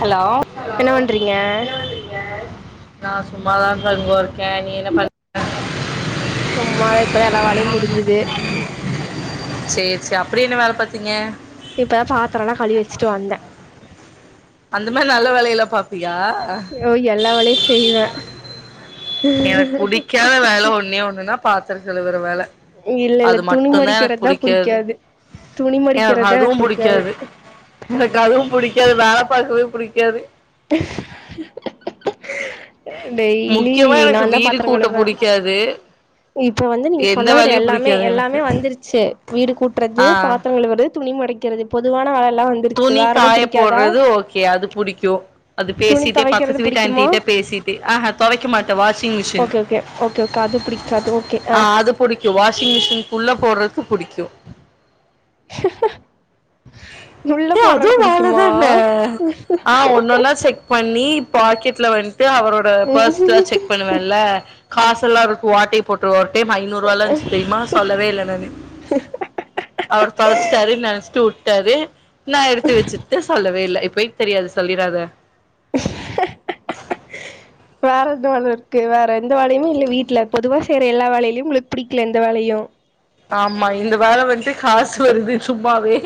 hello hello என்ன பண்றீங்க என்னப்பன்றீங்க நா சும்மாதாதங்கொ இர்க்கே நீ என்ன ப சும்மா இப்பதா எல்லா வேலயு முடிஞ்சுது சேர் சே அப்புடி என்ன வேல பாத்தீங்க ப்ப பாத்திரல்லா கழுவிவெச்சுட்டு வந்த அந்த மார் நல்ல வேலயெல்லா பாப்பியா யோ எல்லாவேலயு செய்வே எனக் புடிக்காத வேல ஒன்னே ஒன்னுன்னா பாத்துர கழுவுற வேல இல்ல இல்ல அது துணி மட்டுந்தா எனக் மடிக்கிறதுதா புடிக்காது துணி ஏர் மடிக்கிறதுதா எனக்கு அதுவும் புடிக்காது எனக் அதுவு புடிக்காது வேல பாக்றதே புடிக்காது டெய்லி முக்கியமா எனக்கு நான்தா வீடு கூட்டபுடிக்காது இப்ப வந்து நீங்க சொன்னதுல எல்லாமே எல்லாமே எனக்கு வந்துருச்சு வீடு கூட்றது ஆ பாத்திரங்கழுவுறது துணி மடிக்றது பொதுவான வேலல்லா வந் துணி காயபோட்றது ஓக்கே அது புடிக்கூ அது துணி பேசிட்டே தொவைக்கிறது பக்கத்துவீட்டு புடிக்குமா ஆன்டிகிட்ட பேசிட்டே அஹ தொவைக்க மாட்ட washing machine okay okay okay okay அது புடிக்காது ஓகே ஆ அ அது புடிக்கு வாஷிங் மிஷின்க்குள்ள போட்றதுக்கு புடிக்கு உள்ள ஏ அதுவு போடுறக்கு புடிக்குமா வேலதான ஆ ஒன்னொன்னா செக் பண்ணி பாக்கெட்ல வந்ட்டு அவரோட பர்ஸ்லா செக் பண்ணுவேன்ல காசல்லா இருக்கு ஆட்டய போட்ருவோன்டே ஐநூறு ரூவாலா இருந்ச்சு தெரியுமா சொல்லவே இல்ல நானு அவரு தொலைச்சுட்டாருன்னு நெனச்சுட்டு வுட் டாரு நா எடுத்து வச்சுகிட்டு சொல்லவே இல்ல இப்பைக் தெரியாது சொல்லிராத வேற எது வேல இருக்கு வேற எந்த வேலயுமே இல்ல வீட்ல பொதுவா செய்யற எல்லா வேலைலயு உங்களுக்கு புடிக்கல எந்த வேலையு ஆமா இந்த வேல வந்ட்டு காசு வருது சும்மாவே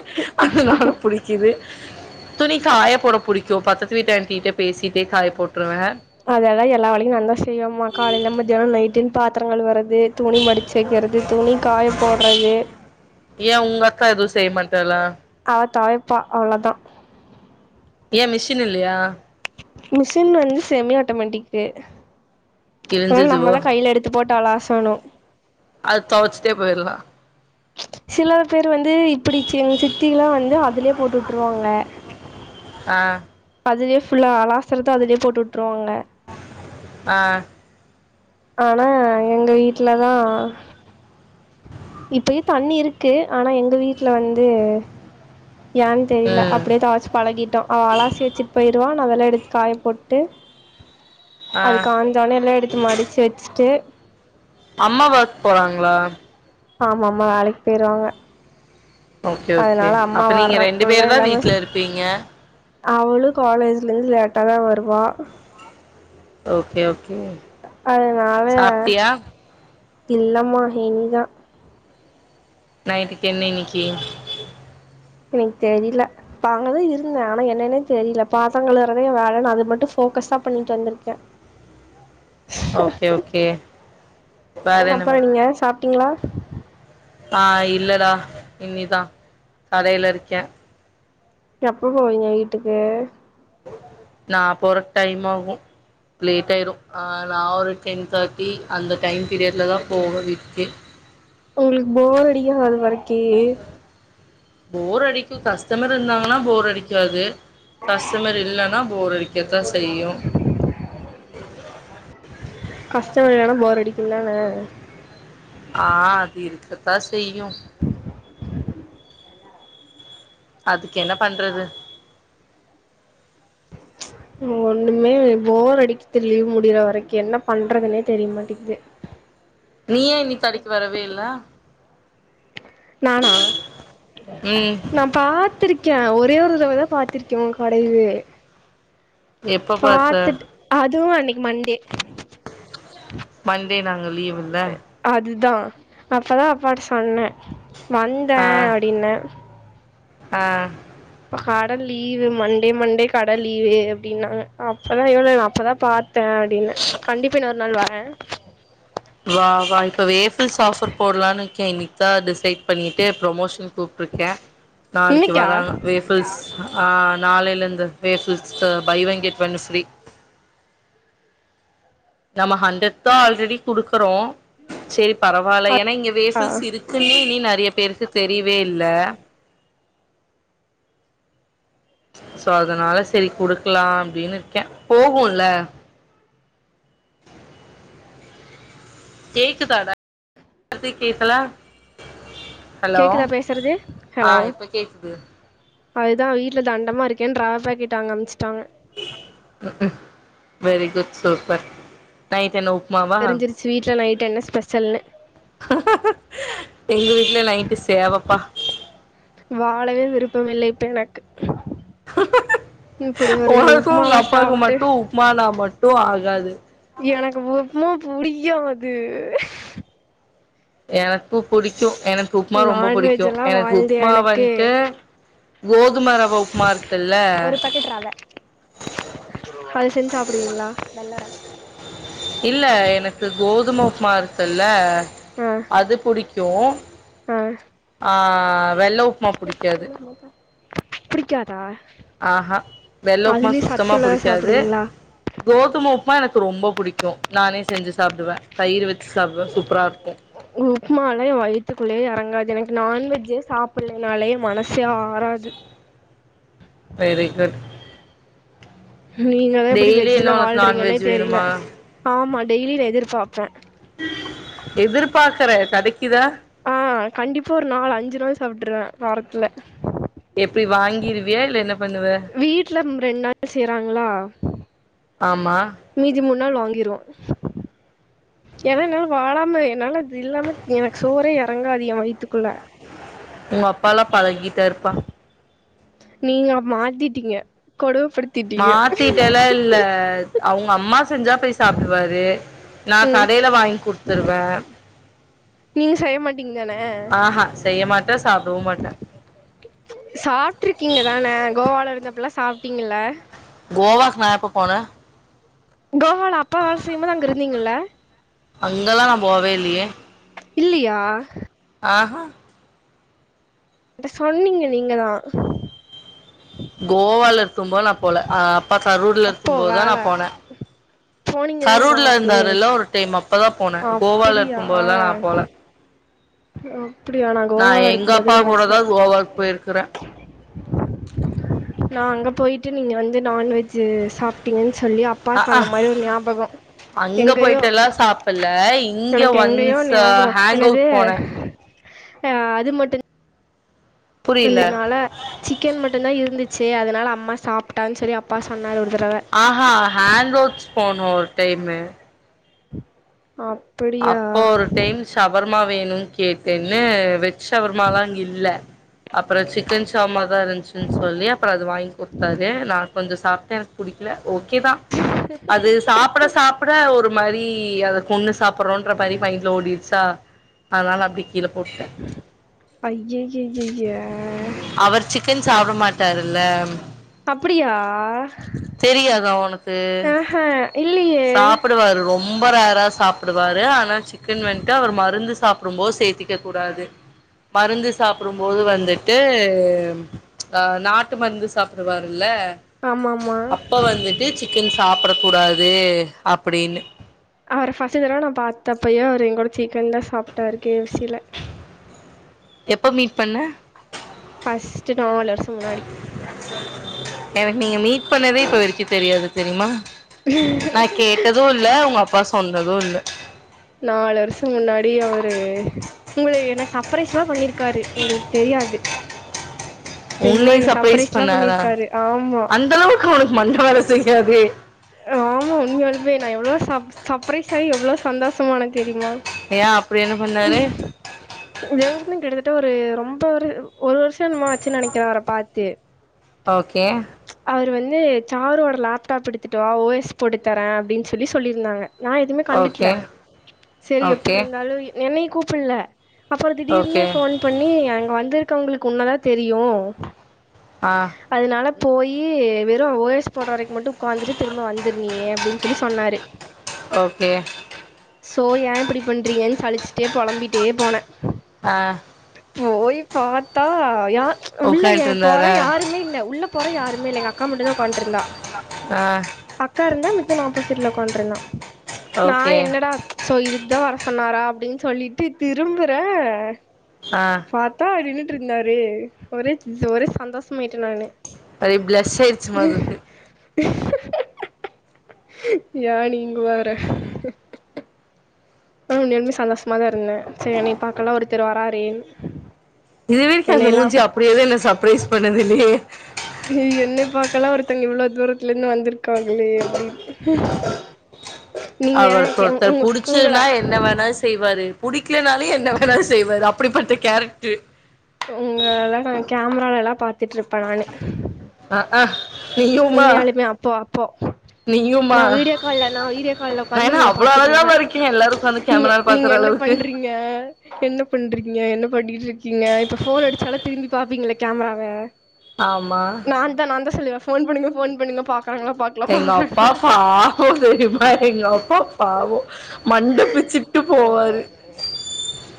அதுனால புடிக் கிது துணி காய போட புடிக்கு பத்தத்து வீட்டு ஆன்டிகிட்ட பேசிகிட்டே காய போட்ருவே அதலா எல்லா வேலையு நா தா செய்வேம்மா காலேல மதியானோ நைட்டுன் பாத்தரோ கழுவுர து துணி மடுச்சு வக்கிறது துணி காய போட்றது ஏ ஒங்க அக்கா எது செய்ய மாட்டாளா அவ தொவைப்பா அவ்ளோதா ஏ மிஷின் இல்லயா மிஷின் வந்து செமி ஆட்டோமேட்டிக்கு அதுனால கிழிஞ்சிச்சுவோ நம்மதா கைல எடுத் து போட்டு அலாசணு அதுக் தொவச்சுட்டே போயிறலா சில பேர் வந்து இப்டி சிங் சித்தில்லா வந்து அதுலயே போட்டு விட்ருவாங்க ஆ அதுலயே ஃபுல்லா அலாசரது அதுலயே போட்டு விட்ருவாங்க ஆ ஆனா எங்க வீட்ல தா இப்பயு தண்ணி இருக்கு ஆனா எங்க வீட்ல வந்து ஏன் தெரில ம் அப்டியே தொவச்சு பழகிட்டோ அவ அலாசி வச்சுட்டு போயிருவா நா அதல்லா எடுத்து காய போட்டு ஆ அது காஞ்சோனே எல்லா எடுத்து மடுச்சு வச்சுட்டு அம்மா வொர்க் போறாங்களா ஆமாமா வேலைக் போயிருவாங்க ஓகே ஓகே அதனால அம்மா அப்ப நீங்க ரெண்டு வர்றக்குள்ள பேர் தா எல்லாமே வீட்ல இருப்பீங்க அவளு காலேஜ்ல இருந்து லேட்டா தா வருவா ஓகே ஓகே அதுனால சாப்ட்டியா இல்லம்மா இனிதா நைட்டுக்கு என்ன இன்னக்கி எனக் தெரில இப்ப அங்கதா இருந்தே ஆனா என்னன்னே தெரில பாசங்களறதே எ வேலன்னு அது மட்டு ஃபோக்கஸ்ஸா பண்ணிட்டு வந்துருக்கே ஓகே ஓகே வேற அப்பற என்ன நீங்க சாப்டிங்களா ஆ இல்லடா இனிதா கடேல இருக்கே எப்ப போவீங்க வீட்டுக்கு நா போறக் டைம் ஆகு லேட்டாயிரு ஆ நா ஒரு டென் தார்ட்டி அந்த டைம் பீரியட்ல தா போவே வீட்டுக்கே உங்களுக்கு போர் அடிக்கி அது வரைக்கீ போர் அடிக்கு கஸ்டமர் இருந்தாங்கன்னா போர் அடிக்காது கஷ்டமர் இல்லனா போரடிக்கத்தா செய்யு கஷ்டமர் இல்லனா போர் அடிக்குந் தானே ஆ அது இருக்கதா செய்யு அதுக்கென்ன பண்றது ஒன்னுமே இல்ல போர் அடிக்து லீவு முடியற வரைக்கு என்ன பண்றதுன்னே தெரியமாட்டிக்து நீ ஏ இன்னிக் கடைக்கு வரவே இல்ல நானா ம் நா பாத்திருக்கே ஒரே ஒரு தடவ தா பாத்திருக்கே உ கடையவே எப்ப பாத்த பாத்துட் அதுவு அன்னைக்கு மண்டே மண்டே நாங்க லீவுல்ல அதுதா அப்பதா அப்பாட்ட சொன்னே வந்த ஆ அப்டின்னே ஆ கட லீவு மண்டே மண்டே கட லீவு அப்டின்னாங்க அப்பதா [unintelligible] அப்பதா பாத் தே அப்டின்னே கண்டிப்பா இன்னொரு நாள் வர வா வா இப்போ வேபஸ் ஆஃபர்போடலானு இருக்கே இன்னைக் தா டிசைட் பண்ணிட்டு ப்ரொமோஷன் கூப்ட்ருக்கே நாளைக்கி இன்னைக்கா வர்ராங்க வேப் பஸ் ஆ நாளைலருந்து வேபஸ்ட்ட buy one get one free நம்ம ஹண்டரட் தா ஆல்ரெடி குடுக்குறோ செரி பரவால்ல ஏனா இங்க ஆ வேஃப்பில்ஸ் இருக் கு இனி நீ நெறைய பேர்த்துக் தெரியவே இல்ல சோ அதனால செரி குடுக்கலாம் அப்டினு இருக்கே போகுல்ல கேக்குதடா அப்றே கேக்கல ஹலோ கேக்குதா பேசுறது ஆ இப்ப கேக்குது இப்ப அதுதா வீட்ல தண்டமா இருக்கே ராப்பே கேட்டாங்க அம்ச்சுட்டாங்க வெரி குட் சூப்பர் நைட் என்ன உப்புமா வா ஸ்வீட்ல நைட் என்ன ஸ்பெஷல்ன்னு எங்க வீட்ல நைட்டு சேவப்பா வாழவே விருப்பம் இல்லை இப்ப எனக்கு இப்டி ஒரு இந்த உப்புமாவா சாப்ட்டு உப்புமானா மட்டு ஆகாது எனக்கு உப்புமா புடிக்கா மாட்டிது எனக்கு புடிக்கு எனக்கு உப்புமா ரொம்ப புடிக்கு நான்வெஜ் எல்லா எனக்கு வாழ்ந்தே உப்புமா எனக்கு வந்ட்டு கோதும ரவ உப்புமா இருக்குல்ல [unintelligible] ரவ அது செஞ் சாப்புடுவீங்ளா வெள்ள ரவ இல்ல எனக்கு கோதும உப்புமா இருக்குல்ல அது புடிக்கு அ ஆ வெள்ள உ புடிக்காதா ஆ ஆ வெள்ள உப்மா அதுலயு சுத்தமா சத்துள்ளதா புடிக்காது சாப்டுவீங்களா கோதும உப்புமா எனக்கு ரொம்ப புடிக்கு நானே செஞ்சு சாப்டுவே தயிர் வெச்சு சாப்டுவே சூப்பரா இருக்கு உப்மால்லா எ வயித்துக்குள்ளே எறங்காது எனக்கு நான்வெஜ்ஜே சாப் பில்லைனாலே மனசே ஆறாது வெரி குட் நீங்களா எப்டி டெய்லி என்ன வெஜ்ல உனக்கு வாழ்றீங்கன்னே நான்வெஜ் தெரில வேணுமா ஆமா டெய்லி இத எதிர்பாப்பே எதிர்பாக்கறே கடைக்குதா அ கண்டிப்பா ஒரு நால் அஞ்சு தடவ சாப்ட்டுருவ வாரத்துல எப்டி வாங்கிருவியா இல்ல என்னப் வீட்லம் ரெண் நாள் செய்றாங்களா ஆமா மீதி மூண் நாள் வாங்கிருவோ ஏன்னா என்னால வாழாம என்னால அது இல்லாம எனக்கு சோறே எறங்காது எ வைத்துக்குள்ள உங்க அப்பால்லா பழகிட்டே இருப்பா நீங்க மாத்திட்டீங்க கொடுமப்படுத் மாத்திட்டேலா இல்ல அவுங்க அம்மா செஞ்சா போய் சாப்டுவாரு நா ம் கடையில வாங்கி குடுத்துருவ நீங்க செய்ய மாட்டீங்க தான ஆஹா செய்ய மாட்ட சாப்டவு மாட்ட சாப்ட்டுருக்கீங்க தான கோவால இருந்தப்பல்லா சாப்ட்டீங்கல்ல கோவாக்கு நா எப்பொ போனே கோவால அப்பா வேல செய்யும் போது அங்க இருந்தீங்கல்ல அங்கல்லா நா போவே இல்லியே இல்லியா ஆஹா கிட்ட சொன்னீங்க நீங்க தா கோவால இருக்கும்போது நா போல ஆ ப்பா கரூர்ல அப்போ இருக்கும் போது தா நா வேல போன போனீங்க தான கரூர்ல கோவாக்கு இருந்தாருல ஒரு டைம் அப்பதா போனே கோவால அப்டியா இருக்கும் போதல்லா நா போல ஓ அப்டியா நா கோவால எங்க இருக்கும் போது அப்பா நெனச்ச கூடதா கோவாக்கு போயிருக்குறே நா அங்க போயிட்டு நீங்க வந்து நான்வெ ஜ்ஜு சாப்டிங்கன் சொல்லி அப்பா அ ஆ சொன்ன மாரி ஒரு ஞாபகோ அங்க எங்கயோ போயிட்டெல்லா சாப்பல்ல இங்க எனக்கு எங்கயோ ஒன்ஸ் ஞாபகோ ஹேங் என்னது அவுட் போனே அ அது மட்டு புரில இருந்ததுனால சிக்கன் மட்டுந்தா இருந்துச்சு அதனால அம்மா சாப்ட்டான் சொல்லி அப்பா சொன்னாரு ஒரு தறவ ஆஹா ஹேங்கவுட்ஸ் போனோ ஒரு டைம்மு அப் அப்போ ஒரு டைம் ஷவர்மா வேணுன் கேட்டேன்னு வெஜ் ஷவர்மாலா அங்க இல்ல அப்றோ சிக்கன் ஷவர்மா தா இருந்ச்சுன்னு சொல்லி அப்பறோ அது வாங்கி குத்தாரு நா கொஞ்ச சாப்ட்டே எனக்கு புடிக்குல ஓகே தா சரி அது சாப்ட சாப்ட ஒரு மாரி அத கொண்ணு சாப் புறோன்ற மாரி மைண்ட்ல ஓடிட்ச்சா அதனால அப்டி கீழ போட்டே அய்யையையைய அவர் சிக்கன் சாப்ட மாட்டாருல்ல அப்டியா தெரியாதா உனக்கு இல்லையே சாப்டுவாரு ரொ ம்ப ரேரா சாப்டுவாரு ஆனா சிக்கன் வந்ட்டு அவர் மருந்து சாப்டும்போ சேத்திக்க கூடாது மருந்து சாப்டும்போது வந்துட்டு அ நாட்டு மருந்து சாப்டுவாருல்ல ஆமா ஆமா அப்ப வந்துட்டு சிக்கன் சாப்டக்கூடாது அப்டின்னு அவர ஃபர்ஸ்ட்டு தடவ நா பாத்தப்பயோ அவரு எங்கூட சிக்கன் தா சாப்பட்டாரு கே எஃப் சி ல எப்ப மீட் பண்ண ஃபஸ்ட்டு நாலுவர்சோ முன்னாடி எனக்கு நீங்க மீட் பன்னதே இப்ப வரைக்கு தெரியாது தெரிமா ம் நா கேட்டது இல்ல ஒங்க அப்பா சொன்னது இல்வ நாலு வருஷ முன்னாடி அவரு உங்ள என்ன சப்ரைஸ்லா பண்ணிருக் ருக்காரு உங்ளுக் தெரியாது தெரியுமா ஒன்னைய என்ன சர்ப்ரைஸ் சர்ப்ரைஸ்லா பண்ணாரா பண்ணிருக்காரு ஆமா அந்த அளவுக் உனக் மண்ட வேல செய்யாதே ஆமா உண்முயாலுமே நா எவ்ளோ சப் சப்ரைஸ் ஆயி எவ்ளோ சந்தோசமான தெரிமா ஏ அப்டி என்ன பண்ணாரு [unintelligible] கிட்டத்தட்ட ஒரு ரொம்ப ஒரு ஒரு வருஷோ என்னமோ ஆச்சு நெனக்கிற அவர பாத்து ஓகே அவரு வந்து சாருவோட லேப்டாப் எடுத்துட்டு வா ஓ எஸ் போட்டு தர அப்டின் சொல்லி சொல்லிருந்தாங்க நா எதுமே ஓகே கண்டுகுல சரி ஓகே எப்ட்ருந்தாலு என்னையு கூபுட்ல அப்பறோ ஓகே திடீர்னுே ஃபோன் பண்ணி அங்க வந்திருக்கவங்களுக்கு உன்னதா தெரியு ஆ அதுனால போயி வெறும் ஓயஸ் போட்ற வரைக்கு மட்டு வந்துட்டு திரும்ப வந்துரு நீயி அப்டின் சொல்லி சொன்னாரு ஓகே சோ ஏ இப்டி பண்றீங்கன் சளிச்ட்டே பொளம்பிட்டே போன ஆ போயி பாத்தா யா உள்ள ஏ போறே உக்காண்ட்ருந்தாரா யருமே இல்ல உள்ள போறே யாருமே இல்ல எங்க அக்கா மட்டு தா ஒக்காண்ட்ருந்தா ஆ அக்கா இருந்தா மித்தன் ஆப்போசிட்ல ஒக்காண்ட்ருந்தா நா ஓகே என்னடா சோ இதுக்கு தா வர சொன்னாரா அப்டின் சொல்லிட்டு திரும்புற ஆ பாத்தா நின்னுட்டுருந்தாரு ஒரே ஒரே சந்தோஷமாயிட்ட நானு அது பிளஸ் ஆயிச்சுமாருக்கு ஏன் யா நீங்க வேற ஆனா உண்மையாலுமே சந்தோஷமாதா இருந்த சரி என்னய பாக்கலா ஒருத்தர்ரு வராறேன் இது வரைக்கு அந்த மூஞ்சி அப்டியேது என்ன சர்ப்ரைஸ் பண்ணதில்லயே ஏ என்னய பாக்கலா ஒருத்தவங்க இவ்ளோ தூரத்துலேந்து வந்துர்க்காங்ளே அப்டின் [inaudible] அவருக்கு ஒருத்தர் புடிச்சுதுனா என்ன வேணா செ செய்வாரு புடிக்கலனாலு என்ன வேணாலு செய்வாரு அப்டி பட்ட கேரக்ட்டு உங்கள நா கேமராலலா பாத்துட்ருப்ப நானு அ ஆ நீயுமா உண்மையாலுமே அப்போ அப்போ நீயுமா நா வீடியோ கால்ல நா வீடியோ கால்ல நா ஒக்காந்து என்ன ஒங்ல அவ்ளோ பாத்துட்ருப்ப அழகாவா இருக்கே எல்லாரு உக்காந்து நீங்க கேமரால நீங்க பாக்குற என்ன அளவுக்கு பண்றீ ங்க என்ன பண்றீகீங்க என்ன பண்ணிட்ருக்கீங்க இப்ப ஃபோன் அடிச்சாலு திரும்பி பாப்பீங்ளே கேம்ராவ ஆமா நாந்தா நாந்தா சொல்லுவ ஃபோன் பன்னுங்க ஃபோன் பன்னுங்க பாக்றங்ளா பாக் எங்க அப்பா பாவோ தெரிமா எங்க அப்பா பாவோ மண்ட பிச்சு [unintelligible]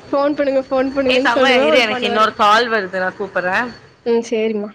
ஃபோன் பண்ணுங்க ஃபோன் ஏ பண்ணுங்கன்னு தங்கோ சொல்லுவே இரு அவரு எனக்கு பண்ணுவாரு இன்னொரு கால் வருது நா கூப்பட்றே ம் சேரிமா